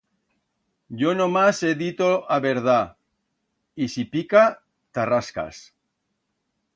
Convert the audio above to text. Yo nomas he dito a verdat, y si pica, t'arrascas.